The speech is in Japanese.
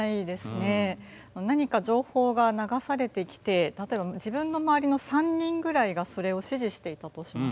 何か情報が流されてきて例えば自分の周りの３人ぐらいがそれを支持していたとします。